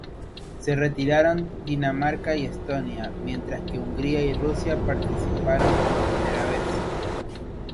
Se retiraron Dinamarca y Estonia, mientras que Hungría y Rusia participaron por primera vez.